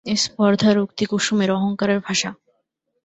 এ স্পর্ধার উক্তি কুসুমের, অহংকারের ভাষা।